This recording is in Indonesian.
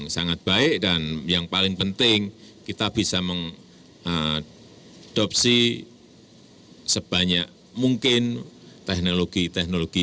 sangat baik dan yang paling penting kita bisa mengadopsi sebanyak mungkin teknologi teknologi